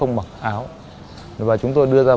ngộ nhận là tự sát